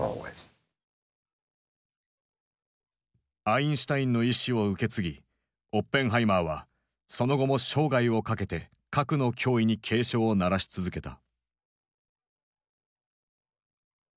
アインシュタインの遺志を受け継ぎオッペンハイマーはその後も生涯を懸けて核の脅威に警鐘を鳴らし続けた。